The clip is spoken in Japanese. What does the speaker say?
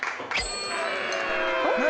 何？